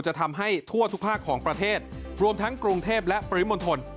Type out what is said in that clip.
จะทำให้ทั่วทุกภาคของประเทศรวมทั้งกรุงเทพและปริมณฑล